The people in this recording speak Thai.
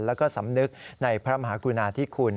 แล้วก็สำนึกในพระมหากุณาธิคุณ